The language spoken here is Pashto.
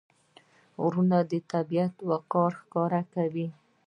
غرونه د طبیعت وقار ښکاره کوي.